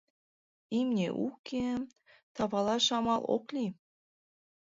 Имне уке — тавалаш амал ок лий.